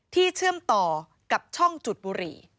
เชื่อมต่อกับช่องจุดบุหรี่